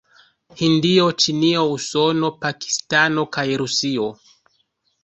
Hindio, Ĉinio, Usono, Pakistano kaj Rusio.